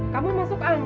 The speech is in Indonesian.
kamu masuk angin